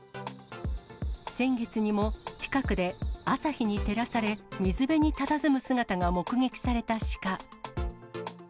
先月にも近くで朝日に照らされ、水辺にたたずむ姿が目撃されたシカ。